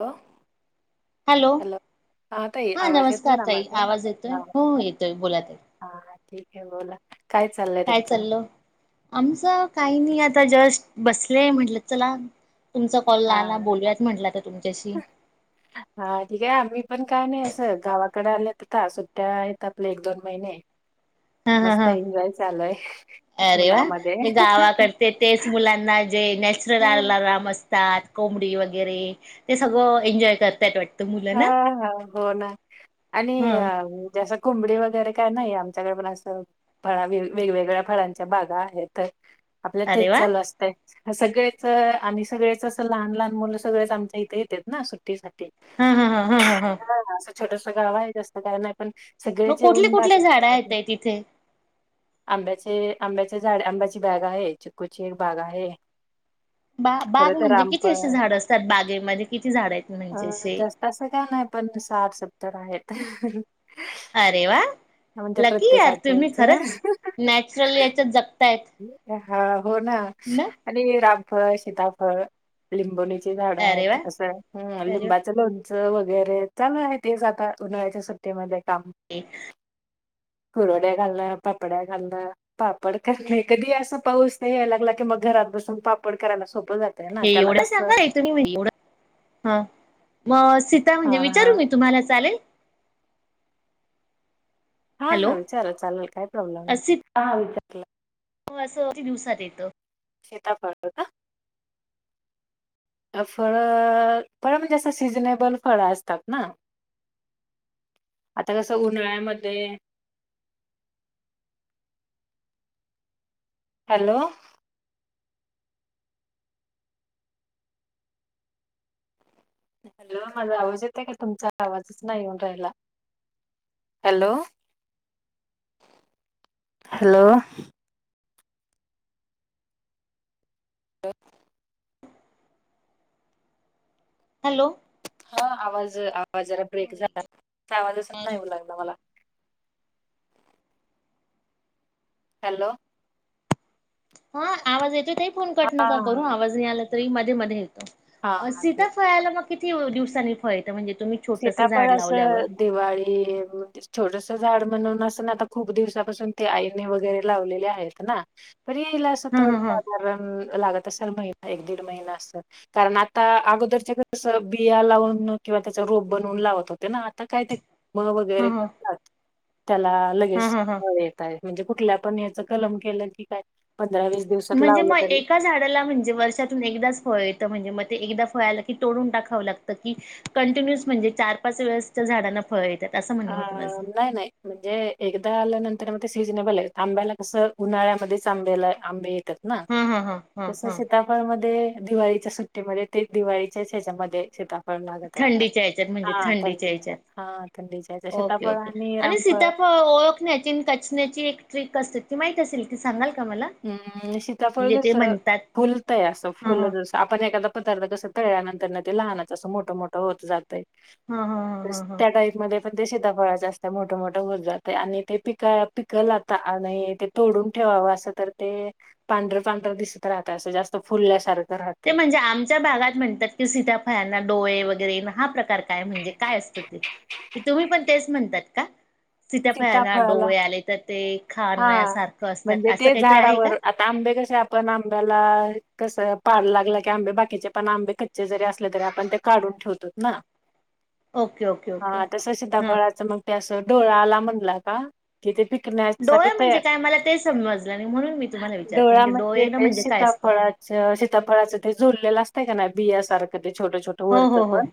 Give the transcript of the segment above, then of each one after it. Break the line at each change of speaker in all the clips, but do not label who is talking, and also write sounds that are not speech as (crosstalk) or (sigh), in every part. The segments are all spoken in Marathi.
हॅलो
हॅलो
ताई
हा
आवाज येतोय
नमस्कार
ना
ताई
माझा?
आवाज येतोय हो येतोय बोला ताई
हा हा ठीक आहे बोला काय चाललंय
काय
तुमचं?
चालल आमचं काही नाही आता जस्ट बसले म्हटलं चला तुमचा कॉल
हा
आला बोलूयात म्हटलं आता तुमच्याशी
हा ठीक आहे आमी पण काय नाही अस गावाकडे आल्यात ता सुट्ट्या येतात ले एक दोन महिने
ह ह ह
मस्त एन्जॉय चालू आहे
अरे वा
उन्हामध्ये
गावाकडते तेच मुलांना जे नॅचरल आलाराम अस गावात कोंबडी वगैरे ते सगळं एन्जॉय करताहेत वाट
हा हा हो ना आणि
ह
आम जस कुंबडी वगैरे काय नाही आमच्याकडे पण असं फळा वेग वेगवेगळ्या फळांच्या बागा आहेत. आपल
अरे
तेच
वा
चालू असतय. सगळेच आमी सगळेच अस लहान लहान मुलं सगळेच आमच्या इथे येतेत ना सुट्टीसाठी हा असं
(inaudible)
छोटस गाव आहे जास्त काय नाही. पण
मग
सगळेच
कुठली
येऊन
कुठली झाडा आहे
राहतात
ताई तिथे?
आंब्याचे आंब्याचे झाड आंब्याची बॅग आहे चिक्कूची एक बाग आहे.
बा बाग
परत
म्हणजे किती असे
रामफळ
झाड असतात बागेमध्ये किती झाड आहेत
अ
म्हणजे असे?
जास्त असं का नाही पण साठ सत्त तर आहेत
अरे वा
म्हणजे
लकी यार
प्रत्येकाच्या
तुम्ही
ह्याच
खरंच नॅचरल याच्यात जगताय.
हा. हो ना आणि रा फळ सीताफळ लिंबूनी झाड
अरे वा
आहेत असं
अरे वा
लिंबाच लोणच. वगैरे चालू आहेच आता उन्हाळ्याच्या सुट्टीमध्ये
ते.
कुरड्या घालण पापड्या घालण पापड करणे कधी असा पाऊस नाही यायला लागला की मग घरात बसून पापड करायला सोप.
हे एवढं सांगा लाय तुम्ही एवढ ह मग.
हां, हां.
विचारू की तुम्हाला अस. चालेल.
हा ना
हॅलो
विचार चालेल काही प्रॉब्लेम नाही. ते
हो असं किती दिवसात येतं.
सिताफळ का फळ फळ म्हणजे असं सिजनेबल फळं असतात ना आता कसं उन्हाळ्यामध्ये- हॅलो. हॅलो माझा आवाज येत आहे का तुमचा आवाजच ना येऊन राहिला हॅलो हॅलो. हो.
हॅलो.
आवाज. आवाज जरा ब्रेक झाला तुमचा आवाज नाही येऊ लागला मला. हॅलो.
हा आवाज येतोय ताई. फोन कट
हां,
नका करू
हां.
आवाज या लागलाय. ते मधेमधे.
हां, हां.
सीताफळाला मग किती दिवसांनी फळ म्हणजे तुम्ही छोटस
सिताफळ
झाड लावल्यावर
असं दिवाळी- छोटस झाड म्हणून अस ना आता खूप दिवसापासून ते आईनी वगैरे लावलेले आहेत ना. परी येईल असं
हा हा
थोडं
हा
साधारण. लागत असल एक दीड महिना कारण आता अगोदरच्या बिया लावून. त्याचा रोप बनवून लावत होते ना आता काय ते? म
हा
वगैरे
हा
करतात. त्याला
हा
लगेच
हा हा
येत आहेत. म्हणजे कुठल्या पण याच कलम केलं की काय- पंधरा वीस दिवसात
म्हणजे
लावलं
मग
तरी
एका झाडाला म्हणजे वर्षातून एकदाच फळ येतं म्हणजे म एकदा फळाला की तोडून टाकावं लागतं की कंटिन्युअस म्हणजे चार पाच वेळेसच्या झाडांना फळ येतखथ
अ नाही नाही म्हणजे एकदा आल्यानंतर मग ते सिझनेबल आहे आंब्याला कसं उन्हाळ्यामध्येच आंब्याला आंबे येतात ना
हा हा हा हा
तस
हा.
सिताफळ मधे दिवाळीच्या सुट्टीमध्ये ते दिवाळीच्याच ह्याच्यामध्ये शेता फळ लागतय आता
थंडीच्या याच्यात म्हणजे
हा
थंडीच्या
टच
याच्यात
(unintelligible) हा
ओके ओके आणि सीताफळ ओळखण्याची कचन्याची एक ट्रीक क असती माहीत असेल की सांगाल का मला?
हम्म सीताफळ
म्हणजे
कस
ते म्हणतात.
फुलतंय असं
हा
फुल
हा
जस आपण एखादा पदार्थ कसा कळल्यानंतर ना ते लहानाच असं मोठं मोठं होत जातय
हा हा हा हा हा
ते सीताफळ असतय मोठ मोठं होत जातय आणि ते पिक पिकला आता आणि ते तोडून ठेवावं असं तर ते पांढर पांढर दिसत राहत असं जास्त फुलल्यासारखं
ते
राहतय
म्हणजे, आमच्या भागात म्हणतात की सीताफळाला डोळे वगैर हा प्रकार काय म्हणजे काय असत ते? तुम्ही पण तेच म्हणतात का? सीताफळना
सीताफळाला
डोळे आले तर ते
हा
खाण्यासारखं असतात
म्हणजे
असं
ते
काहीतरी आहे का?
झाडावर आता आंबे कशे आपण आंब्याला कसं पाड लागलं की आंबे बाकीचे पण आंबे कच्चे जरी असले तरी आपण ते काढून ठेवतोत ना
ओके ओके ओके
हा तस
हा.
सिताफळाचं मग त्या डोल म्हणला का कि पिक
डोळे म्हणजे काय मला ते समजलं आणि म्हणून मी तुम्हाला विचारते
डोळा
हे डोळे येणं
ते
म्हणजे काय असतं?
फुलेलं असतय का नाही बियासारखं छोट छोट
हो
वरचं
हो हो.
पण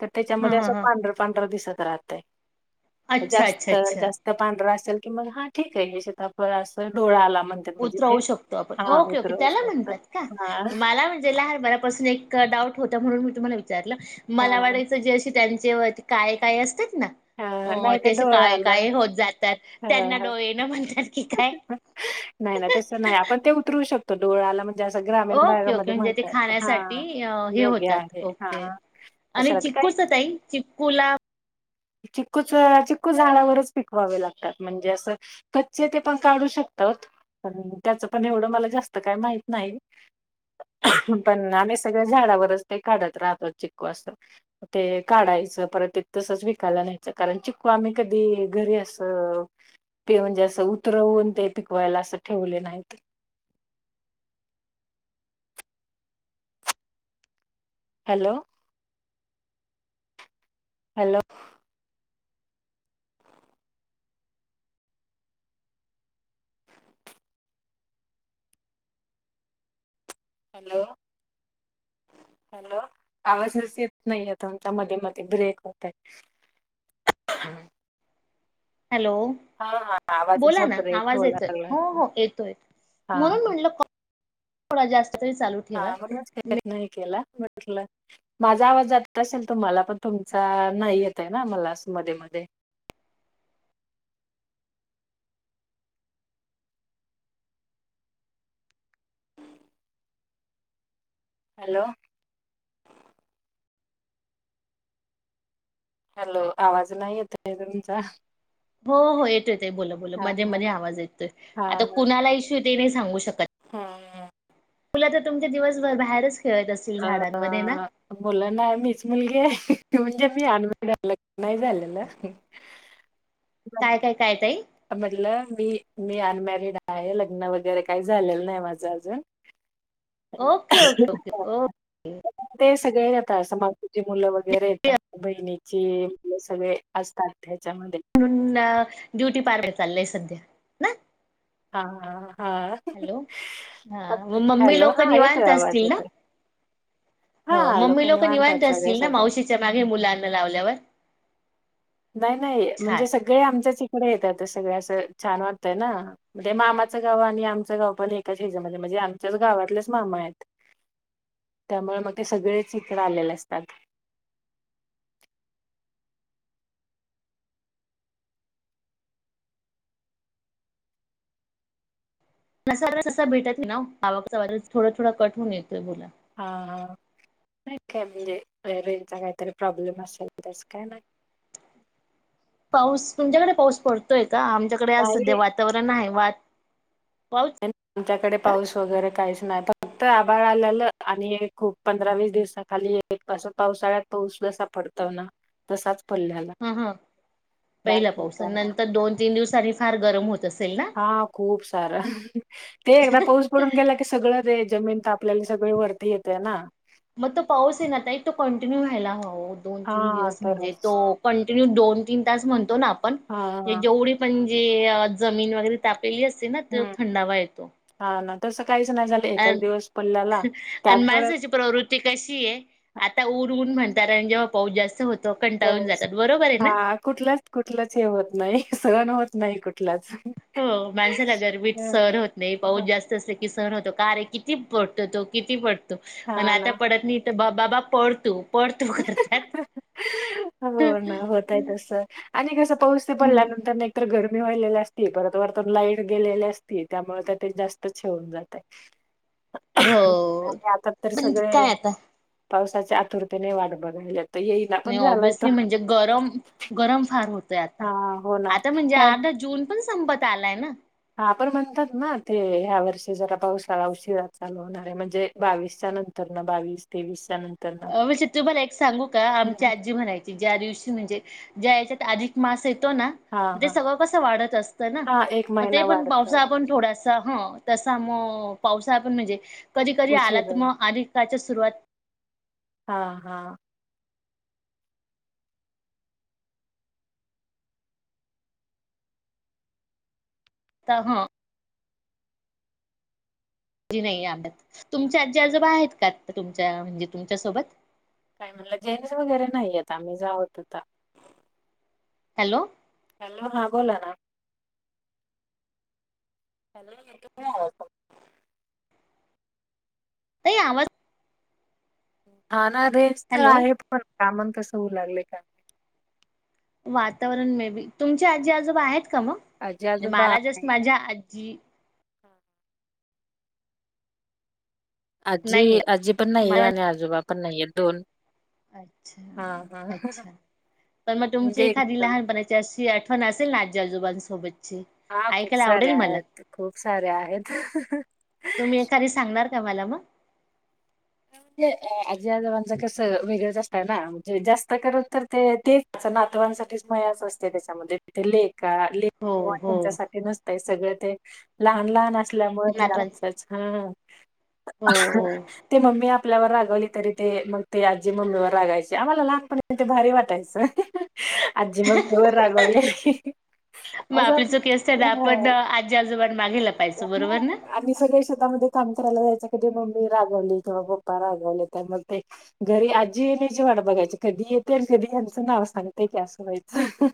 तर
हा
त्याच्यामध्ये
हा
असं
हा.
पांढर पांढर दिसत करातय
अच्छा अच्छा
जास्त
अच्छा.
जास्त पांढरा अ चल की मग हा ठीक आहे सीताफळ आसतोय डोळा आला म्हणतात म्हणजे ते
उतरवू शकतो आपण
हा
ओके ओके
उतरवू
त्याला
शकतात.
म्हणतात का
हां,
मला म्हणजे लहानपणापासून एक डाऊट होता म्हणून मी तुम्हाला वि मला
हां,
वाटायचं जस त्यानी जेव्हा ती काय काय असतं
हां.
अ
नाही ते
त्या
डोळा
काळे
आला.
काळे होत जातात
हां,
त्यांना
हां.
डोळे येनं म्हणतात. कि काय.
नाही नाही तसं नाही आपण ते उतरऊ शकतो डोळ्या आला म
ओके ओके म्हणजे ते खाण्यासाठी
हां,
हे
योग्य
होतात
आहे.
ओके
हां, असं
आणि
राहतं काही
चिक्कूच ताई चिक्कूला
चिक्कू च चिक्कू झाडावरच पिकवावे लागतात म्हणजे असं कच चे ते पण काढू शकतात पण त्याचं पण एवढं मला जास्त काही माहित नाही पण आम्ही सगळे झाडावरच ते काढत राहतो चिकू असं ते काढायचं परत ते तसच विकायला न्यायचं कारण चिकू आम्ही कधी घरी असं ठेऊन जास्त उतरवून ते पिकवायला असं ठेवले नाहीत. हॅलो हॅलो हॅलो हॅलो आवाजच येत नाहीय तुमचा मध्ये मध्ये ब्रेक होतय.
हॅलो
हा हा आवाज
बोला
असा
ना
ब्रेक
आवाज
होऊ
येतोय
लागला
हो हो येतोय
हा
म्हणून म्हणलं कॉल थोडा जास्त तरी चालू ठेवा.
(unintelligible) म्हटलं माझा आवाज जात नसेल तर मला पण तुमचा नाही येतय ना मला असं मध्ये मध्ये. हॅलो हॅलो आवाज नाही येत आहे नाही तुमचा
हो हो येतो येतो बोला बोला
हा
मध्ये मध्ये आवाज येतोय
हा
आता कुणाला इशू ते नाही सांगू श शकत.
हा
मुल तर तुमचे दिवसभर बाहेरच खेळत असतील
अ
झाडांमध्ये ना
मुलं नाही मीच मुलगी आहे. म्हणजे मी अनमॅरीड आहे लग्न नाही झालेलं.
काय काय काय ताई.
म्हटलं मी मी अनमॅरिड आहे लग्न वगैरे काही झालेलं नाही माझं अजून.
Okay okay okay okay.
तस मावशीची मुलं वगैरे येतात बहिणीची मुलं सगळे असतात इथे.
म्हणून अ ब्युटी पार्लर चाललंय सध्या ना.
हा हा हा.
हॅलो हा म मम्मी
हॅलो.
लोक
हां, येतोय
निवांत
आवाज
असतील ना.
येतोय.
हो
हां,
मम्मी
लोकं
लोक निवांत
आहेत सगळे
असतील ना
सध्या.
मावशीच्या मागे मुलांना लावल्यावर.
नाही नाही
छान.
म्हणजे सगळे आमच्याच इ इकडे येतात सगळ असं छान वाटतय ना म ते मामाचं गाव आणि आमचं गाव पण एकाच हच्यामध्ये म्हणजे आमच्याच गावातलेच मामा आहेत त्यामुळे मग ते सगळेच इकडे आलेले असतात.
(unintelligible)
हा हा नाही काय म्हणजे रेंजचा काहीतरी प्रॉब्लेम असेल तस काय नाही.
पाऊस तुमच्याकडे पाऊस पडतोय का आमच्याकडे आज
नाही
सध्या वातावरण आहे वात
आमच्याकडे पाऊस वगैरे कायच. नाही फक्त आबााळ आलेलं आणि खूप पंधरा वीस दिवसाखाली असं पावसाळ्यात पाऊस जसा पडत ना तसाच. पडलेला.
हा हा पहिला
बाकी
पावसा
काय नाय.
नंतर दोन तीन दिवसनी. फार गरम होत. असेल ना?
हा खूप सारं ते एकदा पाऊस पडून गेला की सगळं ते. जमीन ताप लेल्याला सगळी वरती येते ना.
मग तो पाऊस आहे ना एक तो कंटिन्यू व्हायला हव. दोन तीन
हा
दिवस म्हणजे तो
तरच.
कंटिन्यू दोन तीन तास म्हणतो ना आपणण
हा हा.
जेवढी पण. ते जमीन वगैरे त्या. पेली असते ना ते थंडावा येतो.
तस.
अ
त्यात
आणि
परत
माणसाची प्रवृत्ती कशी आहे आता ऊरऊन म्हण. ण जेव्हा पाऊ जास्त होतो. कंटाळून
त्याळे
जातात बरोबर आहे ना?
हा कुठलाच कुठलंच हे होत नाही सगण होत. नाही कुठलाच.
हो माणसाला गरमी
हम्म.
सहन होत नाही पाऊस जास्त असते. कि सहन होतो कार्य किती पडत तो किती पडत.
हा
आणि
ना.
आता पडत नाही. बाबा पड तू. पड तू करतात.
हो ना होतय तस आणि कसं पाऊस ते
हम्म.
पडल्यानंतर एक तरर घर. व्हायलेली असली त वरतून लाईट गेलेली असती त्यामुळे तर ते जास्त हे होऊन जातंय.
हो
आणि आता तर
पण
सगळे
काय आता,
पावसाच्या आतुरतेने वाट बघायला तर येईल
नाही ऑबयसली म्हणजे गरम, गरम फार होतंय आता
हां, हो ना.
आता म्हणजे अर्धा जून पण स संपत आलाय ना.
हा पण म्हणतात ना ते ह्या वर्षी जरा पावसाळा उशीरा चालू होणार आहे म्हणजे बावीसच्या नंतरन बावीस तेवीस
अ म्हणजे तुम्हाला एक सांगू का
हं.
आमची आजी म्हणायची ज्या दिवशी म्हणजे ज्या (inaudible) अधिक मास तो ना?
हां,
ते
हां.
सगळं कसं वाढत असतं ना
हां,
मग ते
महिना
पण पावसा
वाढतं,
आपण थोड अस ह तसा मग पावसाला पण म्हणजे कधी कधी आला
उशिरा.
त मग आधी (inaudible) सुरुवात
हा हा.
त ह (inaudible) नाही आवडत. तुमच्या आजी आजोबा आहेत का तुमच्या म्हणजे अ तुमच्यासोबत?
काय म्हणला? जेंस वगैरे नाहीएत आम्हीच आहोत आता.
हॅलो
हॅलो हा बोला ना. हॅलो येतो (inaudible)
ते आवाज
हा ना तेच तर
हॅलो
आहे पण कामन तसं होऊ लागले का
वातावरण मे बी, तुमची आजी आजोबा आहेत? का मग?
आजी आजोबा
मला जस्
आहे
माझ्या आ जी
आजी
नाहीये
आजी पण नाहीये
मला
आणि आजोबा पण नाहीय दोन हा हा
अच्छा अच्छा
म्हणजे
पण मग तुमची
एक
एखादी लहानपणाच्या अशी आठवन असे ना आजी- आजोबांसोबत
हा खूप सारे आहेत खूप सारे आहेत.
ना मला मग?
जे अ आजी आजोबांचं कसं वेगळंच असतंय ना म्हणजे जास्त कडक तर ते तेच नातवांसाठीच मायाच असते त्याच्यामध्ये तिथे ले
हो
(inaudible)
हो
तुमच्यासाठी नस सगळं ते लहान लहान अस ल्यामुळे
नातवांच
आमच्याच हा
हो हो
(inaudible) मी आपल्यावर रागवली तरी ते मग ते आजी मम्मीवर रागायचे आम्हाला लहानपणा ते भारी वाटायचं आजी ममी वर रागवायची
मग
असं
आपली चुकी असते ना आपण आजी आजोबां मागे लपायचो बरोबर ना
आम्ही सगळ्या शेतामध्ये काम करायला जायचं कधी मम्मी रागवली पप्पा रागवले त्या मग ते घरी आजी येण्याची वाट बघायची कधी येते आणि कधी यांचं नाव सांगतेय की असं व्हायचं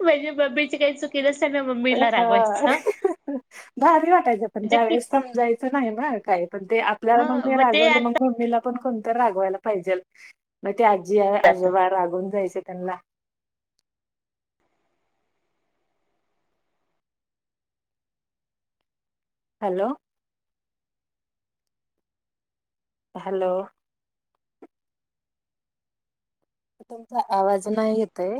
म्हणजे मम्मीची काही चुकी नसताना मम्मीला
हा
रागवायचं
भारी वाटायचं पण
म्हणजे
त्यावेेळेस
किती
समजायचं नाही मग काय पण ते आपल्याला
ह
ममी म
मग ते
रागव
आता
ममी कोण रावायला पाहिजेल ते आजी
जात
आजोबा रागून जायच ते कणला हॅलो हॅलो तुमचा आवाज नाही येतय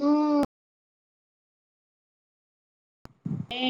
हम् ते